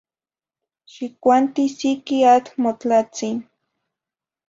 Xicuanti siqui atl motlatzin